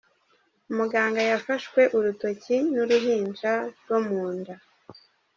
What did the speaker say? Umuganga yafashwe urutoki n’uruhinja rwo mu nda